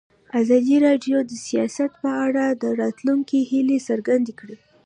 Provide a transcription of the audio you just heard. ازادي راډیو د سیاست په اړه د راتلونکي هیلې څرګندې کړې.